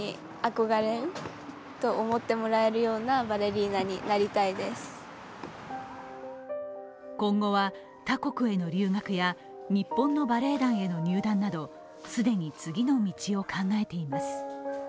それでも今後は他国への留学や日本のバレエ団への入団など既に次の道を考えています。